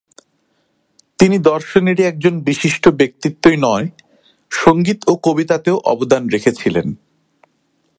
তিনি দর্শনেরই একজন বিশিষ্ট ব্যক্তিত্বই নয়, সঙ্গীত ও কবিতায়েও অবদান রেখেছিলেন।